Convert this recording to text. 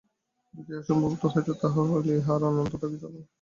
যদি ইহা সম্ভব হইত, তাহা হইলে ইহা আর অনন্ত থাকিত না।